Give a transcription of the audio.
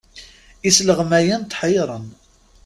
Isleɣmayen tḥeyyren.